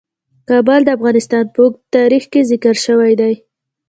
کابل د افغانستان په اوږده تاریخ کې ذکر شوی دی.